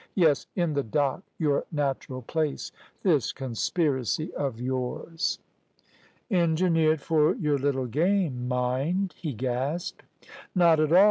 Yes in the dock, your natural place. This conspiracy of yours." "Engineered for your little game, mind," he gasped. "Not at all.